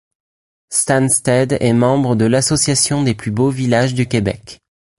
Stanstead est membre de l'Association des plus beaux villages du Québec.